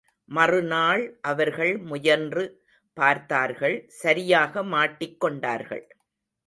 மறுநாள் அவர்கள் முயன்று பார்த்தார்கள் சரியாக மாட்டிக் கொண்டார்கள்.